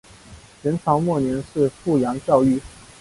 元朝末年是富阳教谕。